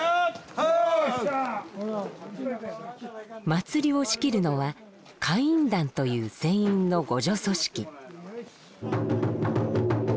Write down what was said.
祭りを仕切るのは海員団という船員の互助組織。